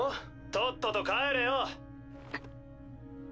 とっとと帰れよ。